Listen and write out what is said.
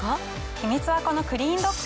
秘密はこのクリーンドック。